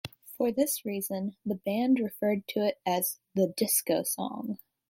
For this reason the band referred to it as "The Disco Song".